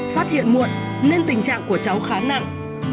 phát hiện muộn nên tình trạng của cháu khá nặng